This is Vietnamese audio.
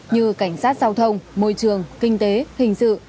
như cảnh sát giao thông môi trường kinh tế hình sự